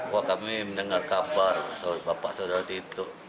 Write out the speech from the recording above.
wah kami mendengar kabar bapak saudara tito